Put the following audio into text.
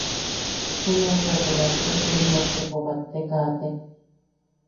Junak bea batte cien metropo bat te kaate.